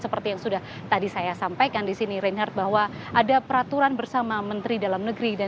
seperti yang sudah tadi saya sampaikan di sini reinhardt bahwa ada peraturan bersama menteri dalam negeri